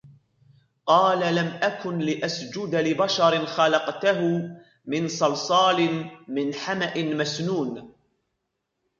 قال لم أكن لأسجد لبشر خلقته من صلصال من حمإ مسنون